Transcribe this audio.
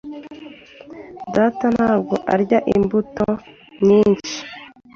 Data ntabwo arya imbuto nyinshi.